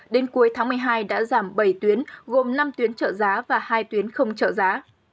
đến cuối tháng một mươi hai đã giảm bảy tuyến gồm năm tuyến trợ giá và hai tuyến không trợ giá